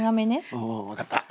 おお分かった。